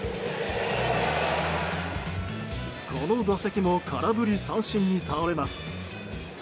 この打席も空振り三振に倒れます。